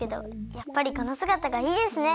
やっぱりこのすがたがいいですね！